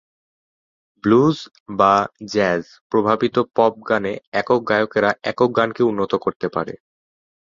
Blues বা জ্যাজ-প্রভাবিত pop গানে একক গায়কেরা একক গানকে উন্নত করতে পারে।